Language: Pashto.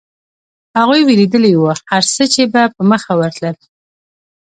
هغوی وېرېدلي و، هرڅه چې به په مخه ورتلل.